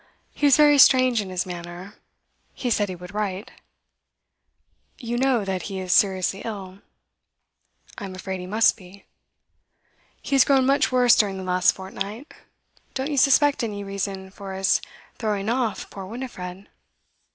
He was very strange in his manner. He said he would write.' 'You know that he is seriously ill?' 'I am afraid he must be.' 'He has grown much worse during the last fortnight. Don't you suspect any reason for his throwing off poor Winifred?